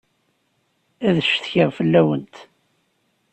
Ad ccetkiɣ fell-awent.